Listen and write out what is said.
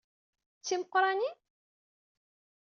D timeqranin?